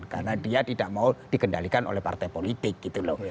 karena dia tidak mau dikendalikan oleh partai politik gitu loh